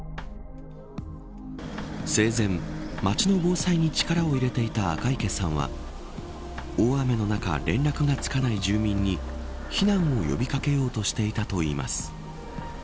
生前、町の防災に力を入れていた赤池さんは大雨の中、連絡がつかない住民に避難を呼び掛けようとしていたといいます。